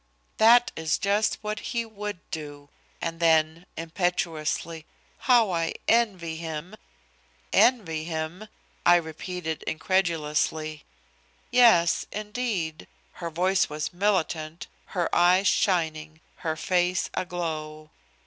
"That is just what he would do," and then, impetuously, "how I envy him!" "Envy him?" I repeated incredulously. "Yes, indeed." Her voice was militant, her eyes shining, her face aglow.